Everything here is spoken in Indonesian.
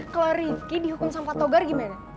kalau rifqi dihukum sama patogar gimana